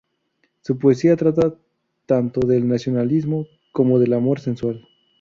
Su poesía trata tanto del nacionalismo como del amor sensual.